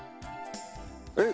えっ？